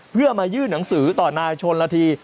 เพื่อมายื่นหนังสือต่อนายชนละที